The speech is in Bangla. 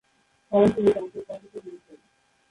পরে তিনি জাতীয় পার্টিতে যোগ দেন।